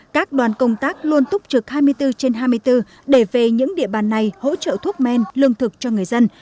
các đoàn công tác luôn túc trực hai mươi bốn trên hai mươi bốn để về những địa bàn này hỗ trợ thuốc men lương thực cho người dân